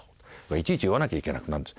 いちいち言わなきゃいけなくなるんです